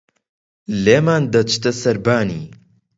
لێمان دەچتە سەربانی